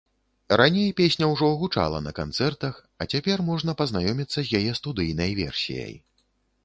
Раней песня ўжо гучала на канцэртах, а цяпер можна пазнаёміцца з яе студыйнай версіяй.